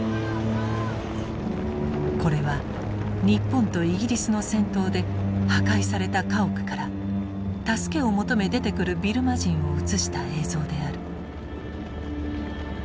これは日本とイギリスの戦闘で破壊された家屋から助けを求め出てくるビルマ人を写した映像である。